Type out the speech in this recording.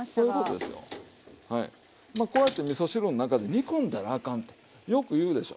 まあこうやってみそ汁の中で煮込んだらあかんとよく言うでしょ。